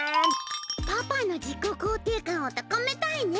パパの自己肯定感をたかめたいね。